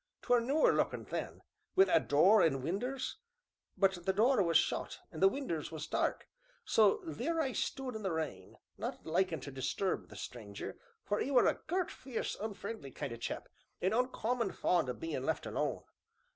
'T were newer lookin' then, wi' a door an' winders, but the door was shut an' the winders was dark so theer I stood in the rain, not likin' to disturb the stranger, for 'e were a gert, fierce, unfriendly kind o' chap, an' uncommon fond o' bein' left alone.